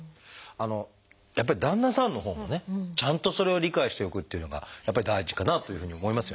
あの旦那さんのほうもねちゃんとそれを理解しておくっていうのがやっぱり第一かなというふうに思いますよね。